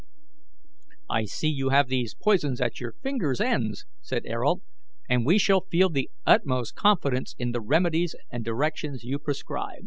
"I see you have these poisons at your fingers' ends," said Ayrault, "and we shall feel the utmost confidence in the remedies and directions you prescribe."